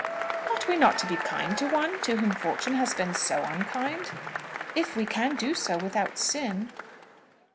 "Ought we not to be kind to one to whom Fortune has been so unkind?" "If we can do so without sin."